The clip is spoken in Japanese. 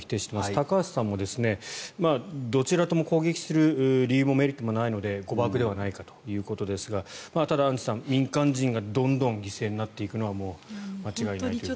高橋さんも、どちらとも攻撃する理由もメリットもないので誤爆ではないかということですがただ、アンジュさん、民間人がどんどん犠牲になっていくのはもう間違いないということです。